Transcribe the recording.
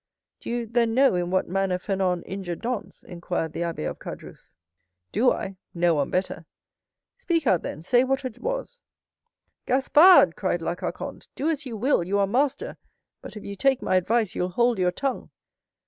"Do you, then, know in what manner Fernand injured Dantès?" inquired the abbé of Caderousse. "Do I? No one better." "Speak out then, say what it was!" "Gaspard!" cried La Carconte, "do as you will; you are master—but if you take my advice you'll hold your tongue."